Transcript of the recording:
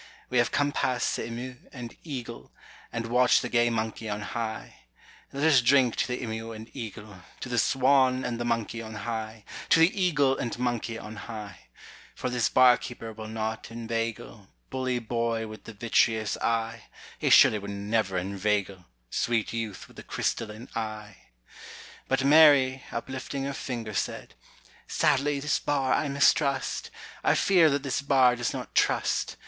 We have come past the emeu and eagle, And watched the gay monkey on high; Let us drink to the emeu and eagle, To the swan and the monkey on high, To the eagle and monkey on high; For this bar keeper will not inveigle, Bully boy with the vitreous eye, He surely would never inveigle, Sweet youth with the crystalline eye." But Mary, uplifting her finger, Said: "Sadly this bar I mistrust, I fear that this bar does not trust.